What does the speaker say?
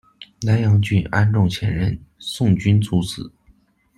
南阳郡安众县人，宋均族子。